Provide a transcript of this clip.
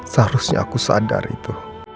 seharusnya aku sadar itu